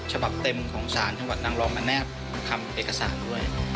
ฉบับเต็มของศาลจังหวัดนางรองมาแนบทำเอกสารด้วย